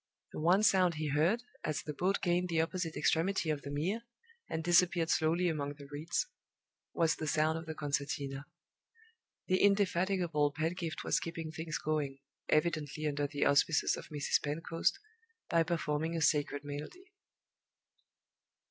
The one sound he heard, as the boat gained the opposite extremity of the Mere, and disappeared slowly among the reeds, was the sound of the concertina. The indefatigable Pedgift was keeping things going evidently under the auspices of Mrs. Pentecost by performing a sacred melody.